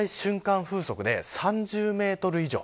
風速で３０メートル以上。